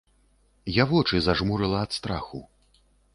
Я вочы зажмурыла ад страху.